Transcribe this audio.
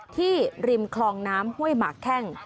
ที่ริมคลองน้ำห้วยหมาแค่ง